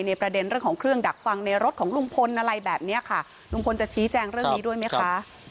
ประเด็นเรื่องของเครื่องดักฟังในรถของลุงพลอะไรแบบนี้ค่ะลุงพลจะชี้แจงเรื่องนี้ด้วยไหมคะ